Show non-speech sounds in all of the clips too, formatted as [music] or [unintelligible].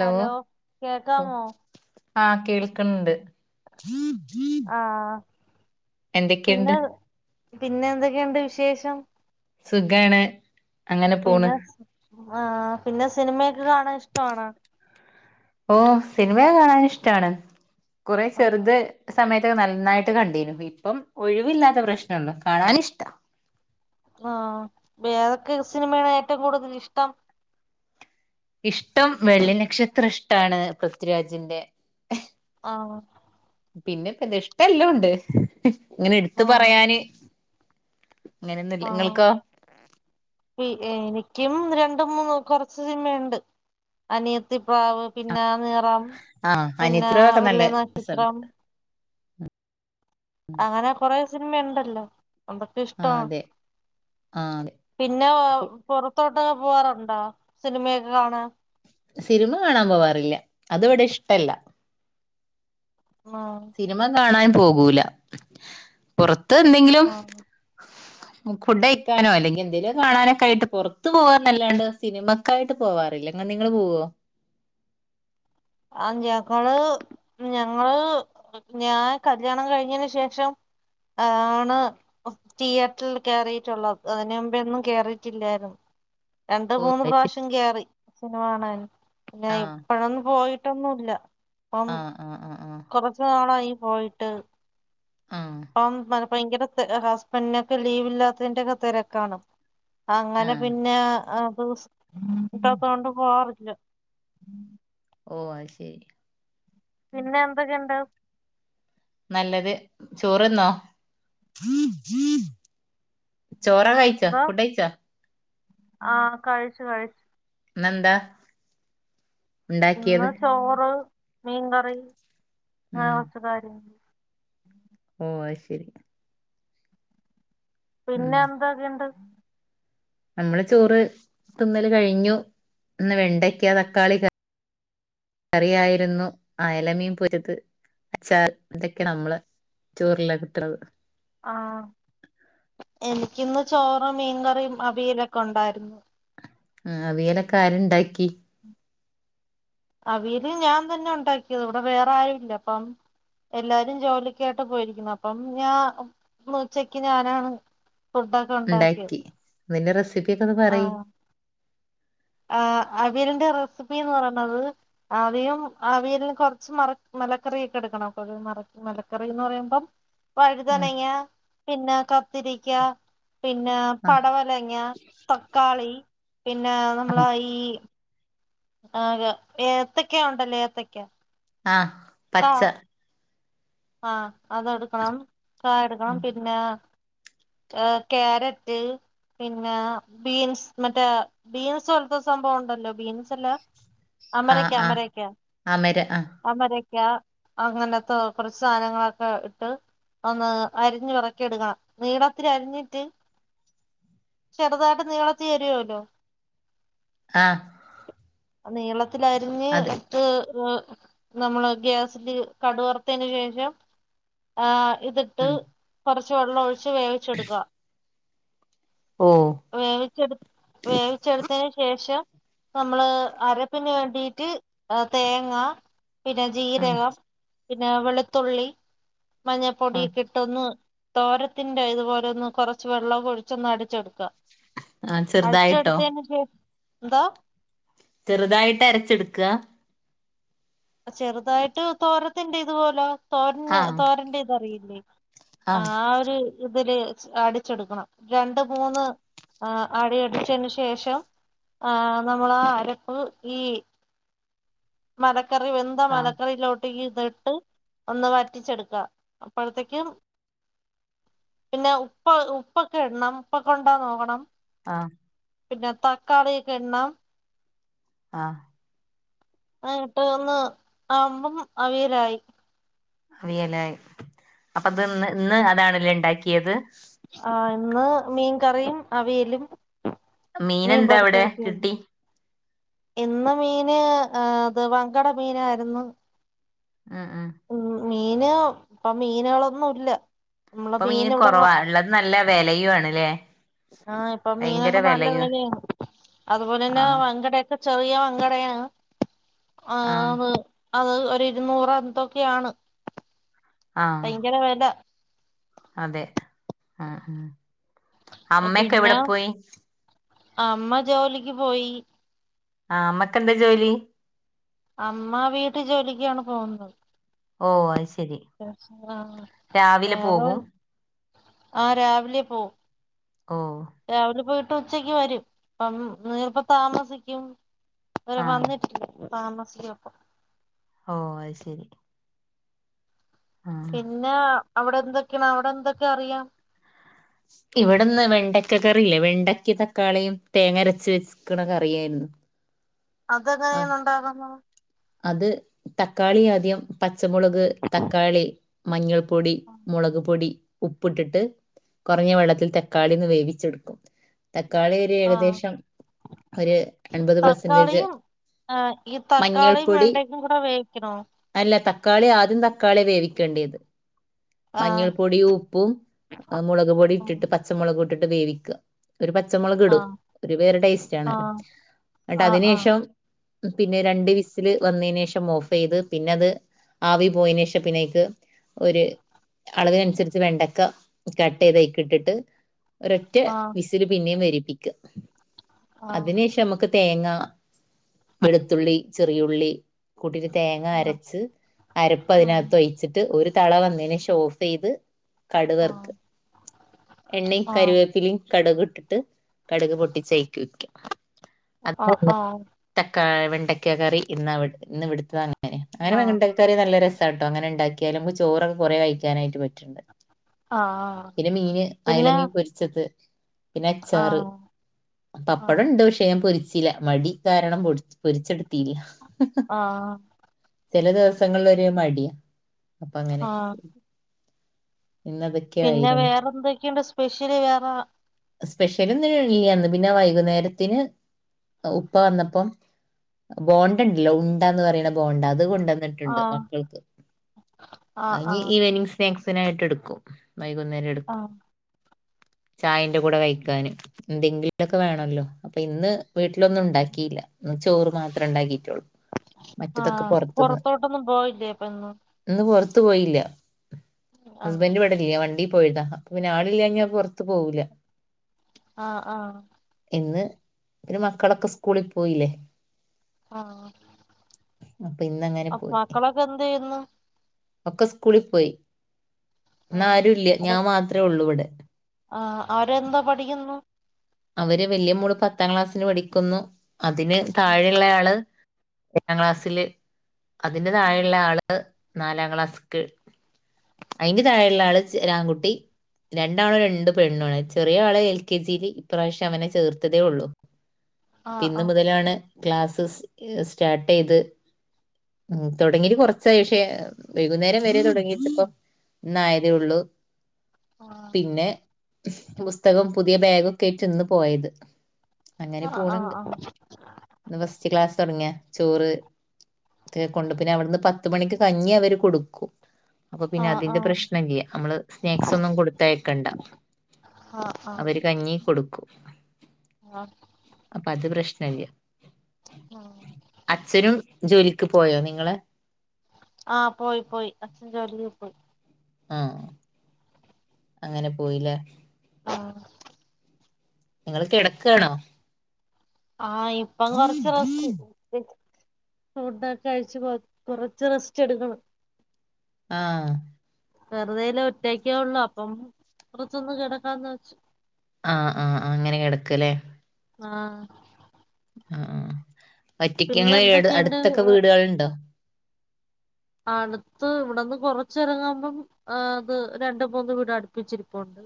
Hello കേക്കാമോ ആകേൾക്കണ്ട് ആ എന്തൊക്കെയുണ്ട് പിന്നെ പിന്നെ എന്തൊക്കെയുണ്ട് വിശേഷം സുഗണ് പിന്നെ ആഹ പിന്നെ സിനിമയൊക്ക്െ കാണാൻ ഇഷ്ടണ ഓ സിനിമയെ കാണൻ ഇഷ്ടാണ് കുറ ആഹ് ചെറുത് സമയ നന്നായിട്ട് കണ്ടേന ഇപ്പം ഒഴിവില്ലാത്ത പ്രശ്നം ഉള്ളു കാണൻ ഇഷ്ട ആഹ ഏതൊക്കെ സിനിമയാണ് ഏറ്റവും കൂടുതൽ ഇഷ്ടം ഇഷ്ടം വെള്ളി നക്ഷത്രം ഇഷ്ടമാണ് പൃഥ്വിരാജിന്റെ ആഹ പിന്നെപ്പ ഇഷ്ട എല്ലാം ഉണ്ട് ഇങ്ങനെ എടുത്ത് പറയാാന് ആഹ എനിക്കും രണ്ട് ര മൂന്ന് കുറച്ച് സിനിമുണ്ട് അനിയത്തിപ്രാവ് പിന്നെ നിറം ആ പിന്നെ അനിയത്തികളൊക്കെ വെള്ളി നക്ഷത്രം ആഹ അങ്ങനെ കൊറ സിനിമ ഉണ്ടല്ലോ എന്തൊക്കെ ആ ഇഷ്ടമാണ് അതെ ആ അതെ പിന്നെ പുൊറത്തോട്ട ട്ടൊ പോവാറുണ്ടോ സിനിമയൊക്കെ കാണാൻ സിനിമ കാണാൻ പോവാറില്ല അത് ഇവിടെ ഇഷ്ടല്ല ആഹ് സിനിമ കാണൻ പോകൂല പുറ ത്ത ന്തെങ്കിലും ആഹ് ഫുഡ് അയ്ക്കാനോ അല്ലെങ്കി എന്തേലോ കാണാനൊക്കെ ആയിട്ട് പുറത്ത്ു പോവാന്നല്ലാണ്ട് സിനിമക്ക ആയിട്ട് പോവാറില്ല ങ്ങെ നിങ്ങള് പോവോ ആ ജേക്കാള് ഞങ്ങള് ഞാൻ കല്യാണം കഴിഞ്ഞന് ശേഷം ആണ് തിയേറ്ററിൽ കയറിയിട്ടുള്ളത് അതിന് മുമ്പൊന്നും കേറിയിട്ടില്ലായിരുന്നു രണ്ടു ഓ മൂന്ന് അത് പ്രാവശ്യം കേറി സിനിമ കാണ [inaudible] പിന്ന ഇപ്പഴ ഒന്ന് പോയി ട്ടൊന്നുല്ല ആ ആ ആ ആ കൊറച്ചു നാളായി പോയിട്ട് ആഹ് പ്പം മ ഭയങ്കര ത ഹസ്ബൻഡിനൊക്കെ ലീവ് ഇല്ലാത്തതിന്റോക്കെ തിരക്കാണ് അങ്ങനെ ആഹ് പിന്നെ അ [unintelligible] ട്ടാത്ത ണ്ട് പോവാറില്ല ഓ അ ശരി പിന്നെ എന്തൊക്കെ ഇണ്ട് നല്ലത് ചോറ്ന്നോ ചോറ കഴിച്ചോ എന്തോ ഫുഡഴിച്ചോ ആ കഴിച്ചു കഴിച്ചു നന്താ ഇന്ന് ചോറ് മീൻ കറി ആ ഉം [unintelligible] [inaudible] ഓ ശരി ഉം പിന്നെ എന്തൊക്കെയണ്ട് നമ്മള് ചോറ് തിന്നല് കഴിഞ്ഞു ഇന്ന് വെണ്ടക്ക തക്കാളി കറിയായിരുന്നു അയല മീൻ പൊരിത് അച്ചാ ഇതൊക്കെയ നമ്മള് ചോറില കട്ടത് ആ എനിക്കിന്ന് ചോറ മീൻകറിയ അിവിലൊക്കെ ഉണ്ടായിരുന്നു ആ അവിയലൊക്കെ ആരുണ്ടാക്കി അവിയൽ ഞാൻ തന്നെ ഉണ്ടാക്കിയത് ഇവിടെ വേറെ ആരും ഇല്ല അപ്പം എല്ലാരും ജോലിയിക്കായിട്ട് പോയിരിക്കുന്നു അപ്പം ഞാൻ ഉച്ചക്ക് ഞാനാണ് ഫുഡൊക്കെ ഉണ്ടാക്കിയത് നിന്റെറെസിപ്പി [unintelligible] പറി ആർ അവിയലിന്റെ റെസിപ്പി എന്ന് പറയണത് ആദ്യം അവിയലിന് കൊറച്ച് മറ മലക്കറ ഒക്കെ എടുക്കണം കൊ മ മലക്കറി എന്ന് പറയുമ്പം വഴുതനങ്ങ പിന്നെ കത്തിരിക്ക പിന്നെ ആ ആ പടവലങ്ങ തക്കാളി പിന്നെ നമ്മള ഈ ആ ഏത്തക്കാ ഉണ്ടല്ലേ ഏത്തക്കാ ആഹ പച്ച ആഹ അത എടുക്കണം ക എടുക്കണം പിന്ന ഏർ കയാരറ്റ് പിന്നെ ബീൻസ് മറ്റേ ബീൻസ് പോലത്ത സംഭവ ഉണ്ടല്ലോ ബീൻസ്ല്ല ആ അമരക്ക ആ അമരക്ക അമര ആ അമര അങ്ങനത കുറച്ച് സാധനങ്ങളൊക്കെ ഇട്ട് ഒന്ന് അരിഞ്ഞു വിറക്കി എടുക്കണം നീളത്തി അരിഞ്ഞിട്ട് ചെറുതായിട്ട് നീളത്തി വരുവല്ലോ ആ അ നീള ത്തിലരിഞ്ഞ് അതെ ഇട്ട് നമ്മള് ഗ്യാസിില് കടുവറ തിന് ശേഷം ആ ഇതിട്ട് ആ കൊറച്ച് വെള്ളമ ഒഴിച്ച് വേവിച്ചെടുക്ക ഓ വേവിച്ചെടു വേവിച്ചെടുത്തതിനന് ശേഷം നമ്മള് അരപ്പിന് വേണ്ടിട്ട് തേങ്ങ പിന്നെ ആ ജീരകം പിന്നെ വെളുത്തുള്ളി ആ മഞ്ഞപ്പൊടി കിട്ടൊന്ന് തോരത്തിന്റെ ഇതുപോലെ ഒന്ന് കൊറച്ച് വെള്ളക്കൊഴിച്ചൊന്ന് അടിച്ചെടുക്ക ആ ചെറുതായിട്ടോ ശേഷം എന്താ ചെറുതായിട്ട് അരച്ചെട്ക്ക ചെറുതായിട്ട് തോരത്തിന്റെ ഇത്പോലെ ആ തോരന് തോരന്റെ ഇതറിയില്ലേ [unintelligible] ആ ഒരു ഇതില് അടിച്ചെടുക്കണം രണ്ട് മൂന്ന് അടി അടിച്ചതിന് ശേഷം ആ നമ്മള് ആ അരപ്പ് ഈ മല കറി വെന്ത ആ മലക്കറിലോട് ഇത് ഇട്ട് ഒന്ന് വറ്റിച്ചെടുക്ക. അപ്പഴത്തേക്ക് പിന്നെ ഉപ്പ് ഉപ്പൊക്കെ ഇടണം ഉപ്പൊക്കെണ്ടൊന്ന് നോക്കണം ആ പിന്നെ തക്കാളിയൊക്കെ ഇടണം ആ ആ ഇട്ട് ഒന്ന് ആവ്മ്പം അവിയലായി അവിയലായി അപ്പത് ന്ന് ഇന്ന് അതാണ് ലേ ഇണ്ടാക്കിയത് ആ ഇന്ന് മീൻകറിയും അവിയലും മീൻ മീനെന്താ പൊരിച്ച അവിടെ കുട്ടിയും കിട്ടി ഇന്ന് മീന് ഏ ഇത് വങ്കട മീനായിരുന്നു ആ ആ ഉം മീന് ഇപ്പൊ മീന്കളൊന്നുംല്ല ഇപ്പൊ മീന് കൊറവാ ഇള്ളത് നല്ല വെലയും ആണല്ലേ ആ ഇപ്പൊ ഭയങ്കര മീനൊക്കെ നല്ല വിലയും വെലാണ് അതുപോലെ തന്നെ ആ വങ്കടയൊക്കെ ചെറിയ വങ്കടയാണ് ആ അത് ഒരിരുന്നൂറ് ന്തൊക്കെയാണ് ആ ഭയങ്കര വെല അതെ ആ ആ അമ്മയൊക്കെ പിന്നെ എവിടെ പോയി അമ്മ ജോലിക്ക് പോയി ആ അമ്മക്കെന്താ ജോലി അമ്മ വീട്ടു ജോലിക്കാണ് പോകുന്നത് ഓ അത് ശരി രാവിലെ ആ പോകും വേറെ ആ രാവിലെ പോം ഓ രാവിലെ പോയി പ്പ ഉച്ചക്ക് വരും അപ്പം നീർപ്പ താമസിക്കും തുവരെ ആ വന്നിട്ടില്ല താമസിക്കും അപ്പം ഓ അത് ശരി ആ പിന്നെ അവിടെ എന്തൊക്കെയാണ് അവിടെ എന്തൊക്കെ അറിയാം ഇവിടെന്ന് വെണ്ടക്ക കറില്ലേ വെണ്ടക്ക തക്കാളിയും തേങ്ങ അരച്ച് വെച്ചക്കണ കറിയായിരുന്നു അതെങ്ങനെ ആ ഉണ്ടാകുന്നോ അത് തക്കാളി ആദ്യം പ ച്ചമുളക് തക്കാളി മഞ്ഞൾ പൊടി മുളക് പൊടി ഉപ്പിട്ടിട്ട് കുറഞ്ഞ വെള്ളത്തിൽ തക്കാളിന്ന് വേവിച്ചെടുക്കും തക്കാളി ഒരു ആഹ് ഏകദേശം ഒരു എൺപത് പെർസെന്റേജ് തക്കാളിയും ആഹ് ഈ മഞ്ഞൾ തക്കാളിയും വെണ്ടയ്ക്കും കൂടെ വേവിക്കണോ തക്കാളി ആദ്യം തക്കാളിയാ വേവിക്കേണ്ടത്. ആഹ് മഞ്ഞൾ പൊടിയും ഉപ്പും മുളക് പൊടി ഇട്ടിട്ട് പച്ചമുളകുംഇ ട്ടിട്ട് വേവിക്ക. ഒരു പച്ചമുളക് ഇടും ആഹ് ഒരു വേറെ ടേസ്റ്റ് ആണല്ലോ ആഹ് എന്നിട്ട് അതിന് ആഹ് ശേഷം പിന്നെ രണ്ട് വിസ് ല് വന്നതിന് ശേഷം ഓഫ് ചെയ്ത് പിന്നെ അത് ആവി പോയേന് ശേഷം പിന്നെ അയ്ക്ക് ഒരു അളവിനുസരിച്ച് വെണ്ടക്ക കട്ട് ചെയ്തയ് ക്ക് ഇട്ടിട്ട് ഒരറ്റ വിസില് പിന്നെയും വരി പ്പിക്കാ. ആഹ് അതിന് ശേഷം നമുക്ക് തേങ്ങ വെളുത്തുള്ളി ചെറിയുള്ളി കൂട്ടീട്ട് തേങ്ങ ആഹ് അരച്ച് അരപ്പ് ആഹ് അതിനകത്ത് ഒഴിച്ചിട്ട് ഒരു തള വന്നേന് ശേഷം ഓഫ്‌ ചെയ്ത് കടുവർക്കാ ആഹ് എണ്ണയും ആഹ് കരുവേപ്പിലയും കടക് ഇട്ടിട്ട് കടുക് പൊട്ടിച്ചയ്ക്ക് ഒഴിക്കാ. ആഹ് ആഹ് ഏഹ് വെണ്ട ക്കാ കറി ഇന്ന് ഇന്ന് വിടുത്തദാന് ഏ അങ്ങനെ ആഹ് ആഹ് വെണ്ടക്കക്കറി നല്ല രസ് സാട്ടോ അങ്ങനെ ഇണ്ടാക്കിയാല് നമുക്ക് ചോറൊക്കെ കൊറേ കഴിക്കാനായിട്ട് പറ്റ്ണ്ട്. ആഹ് പിന്നെ മീന് അയല പിന്നെ മീൻ പൊരിച്ചത് പിന്നെ അച്ചാറ് ആഹ് ആഹ് പപ്പടണ്ട് പക്ഷേ ഞാൻ പൊരി ചില മടി കാരണം പൊട് പൊരിച്ചെട് ത്തിലാ ആഹ് ചില ദിവസങ്ങൾ ല് ഒരു മടിയാ അപ്പൊ അങ്ങനെ ആഹ് പിന്നെ ഇന്നതൊക്കെയായിരുന്നു വേറെന്തൊക്കെണ്ട് സ് പെഷ്യല് വേറേ സ്പെഷ്യലൊന്ന്നുല്ല്യ. ഇന്ന് പിന്നെ വൈകുന്നേരത്തിന് ഉപ്പ വന്നപ്പം ബോണ്ട ഇണ്ടല്ലോ ഉണ്ടാന്ന് പറയ്ണ ബോണ്ട അതുകൊൺ ണ്ടന്ന്ട്ടുണ്ട് ആഹ് മക്കൾക്ക് ആഹ് അയ് ഇനി ആഹ് ഈവനിംഗ് സ്നാക്സ് യിട്ട് എടുക്കും വൈകുന്നേരം എടുക്കും ആഹ് ചായ കൂടെ കഴിക്കൻ എന്തെങ്കിലൊക്കെ വേണല്ലോ അപ്പൊ ഇന്ന് വീട്ടിലൊന്നും ഉണ്ടാക്കില്ല ചോറ് മാത്രം ഉണ്ടാക്കി ആഹ പുറത്തോട്ടൊന്നും പോയില്ലേ അപ്പൊ ഇന്ന് ത്ത് പോയില്ല ആഹ് ഹസ്ബൻഡ് ഇവടില്ല വണ്ടി പോയദാ അപ്പോ പിന്നെ ആളില്ല ഞാൻ പുറത്ത് പോകൂില്ല ആഹ ആഹ ഇന്ന് പിന്നെ മക്കളൊക്കെ സ്കൂളിൽ പോയില്ലേ ആഹ് അപ്പൊ ഇന്നങ്ങനെ അപ്പൊ പോയി മക്കളൊക്കെ എന്ത് ചെയ്യുന്നു ഒക്കെ സ്കൂളിൽ പോയി ഇന്ന് ആരുല്ല ഞാൻ മാത്രമേ ഉള്ളൂ ഇവിടെ ഉം ആഹ അവരെന്താ പഠിക്കുന്നു അവര് വല്യ മോള് പത്താം ക്ലാസ്സിൽ പഠിക്കുന്നു അതിന് താഴെയുള്ളയാള് എട്ടാം ക്ലാസ്സില് അതിന്റെ ആഹ് താഴെയുള്ള ആള് നാലാം ക്ലാസ്ക് അയിന്റെ താഴെയുള്ള ആള് രാൺകുട്ടി രണ്ടാണോ രണ്ട് പെണ്ണാണ് ചെറിയ ആള്െ എൽ കെ ജിയില് ഇ പ്രാവശ്യം അവനെ ചേർത്തതേ ഉള്ളൂ ആഹ് പിന്ന് ആഹ് മുതലാണ് ക്ലാസ്സസ് സ്റ്റാർട്ട് എയ്ത് ഉ തുടങ്ങിട്ട കുറച്ചായ ക്ഷേ വൈകുന്നേരം വരെ തുടങ്ങിട്ട ഇപ്പ ഇന്ന ആയതേ ഉള്ളൂ പിന്നെ പുസ്തകം പുതിയ ബാഗും കറ്റന്ന് പോയത് അങ്ങനെ ആഹ് ആഹ് ആഹ് പോണണ്ട് ആഹ് ഇന്ന് ഫസ്റ്റ് ക്ലാസ് തുടങ്ങിയാ ചോറ് ഒക്ക കൊണ്ട് പിന്നെ അവിടുന്ന് പത്ത മണിക്ക് കഞ്ഞി അവര് കൊടുക്കും അപ്പൊ പിന്നെ ആഹ് അതിന്റെ ആഹ് പ്രശ്നല്യ നമ്മള് സ്നാക്സ് ഒന്നും കൊടുത്തായക്കണ്ട ആഹ് അവര് കഞ്ഞി [unintelligible] ആഹ അത് പ്രശ്നല്യ ആഹ് അച്ഛനും ജോലി ക്ക് പോയോ നിങ്ങള് ആഹ് പോയി പോയി അച്ഛൻ ചൊല്ലി ഉ ആഹ അങ്ങനെ പോയില്ലേ ആഹ നിങ്ങള് കിടക്കണോ ആഹ ഇപ്പ കൊറച്ച് റസ്റ്റ് ഫുഡൊക്കെ അഴച്ച്ു കൊ കൊറച്ച് റെസ്റ്റ് എടുക്കണം ആഹ വെറുതെല ഒറ്റക്ക ഉള്ളു അപ്പം പുറത്തൊന്ന് കിടക്കാന്ന് വെച്ച ആഹ ആഹ്് അങ്ങനെ കിടക്കല്ലേ ആഹ ആഹ ആ പറ്റക്ക്ങ്ങെ എന്തൊക്കെയുണ്ട് അടുത്തൊക്കെ വീടുകളുണ്ടോ അടുത്ത് ഇവിടെന്ന് കൊറച്ച് ഇറങ്ങുമ്പം ആ അത് രണ്ട മൂന്ന് വീട അടുപ്പിച്ചിരിപ്പണ്ട്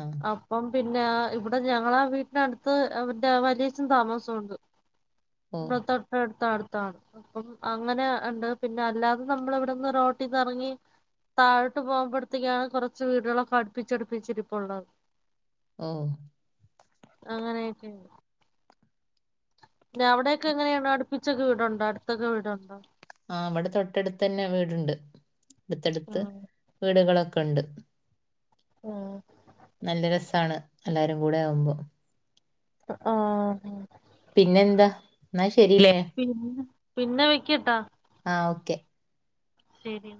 ആഹ് അപ്പം പിന്നെ ഇവിടെ ഞങ്ങളെ വീട്ടിനടുത്ത് അവന്റെ വലിയച്ഛൻ താമസംുണ്ട് ഓ അത്തട്ട ടുത്താണ് അപ്പം അങ്ങനെ ഉണ്ട് പിന്നെ അല്ലാതെ നമ്മള ഇവിടെന്ന് റോട്ടി നിറങ്ങി താഴട്ട് പോകുമ്പഴത്തക്കയാണ് കുറച്ച് വീടുകളൊക്കെ അടുപ്പിച്ചച്ച് അടുപ്പിച്ചി തുള്ളത് ഓ അങ്ങനെയൊക്കെ ഞാവിടെക്കെങ്ങനെയാണ് അടുപ്പിച്ചൊക്കെ വീടുണ്ടോ അടുത്തൊക്കെ വീടുണ്ടോ ആവിടെ തൊട്ടടുത്തന്നെ വീടുണ്ട് എടുത്തെടുത്ത് ആഹ് വീടുകളൊക്കെ കണ്ട് ആ നല്ല രസ്സാണ് എല്ലാരുംകൂടെ ആവുമ്പോ ആ ആ പിന്നെന്താ ന്നാ ശരിലേ പിന്നെ പിന്നെ വെക്കട്ടാ ആ ഓക്കെ സ്റ്റേഡിയം